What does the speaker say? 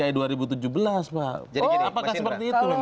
apakah seperti itu memang